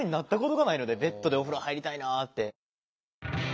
ベッドでお風呂入りたいなって。